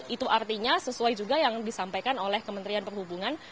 itu artinya sesuai juga yang disampaikan oleh kementerian perhubungan